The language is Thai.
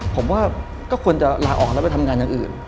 ผมว่าก็ควรจะลาออกแล้วไปทำงานอย่างอื่น